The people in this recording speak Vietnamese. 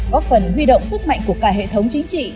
góp phần huy động sức mạnh của cả hệ thống chính trị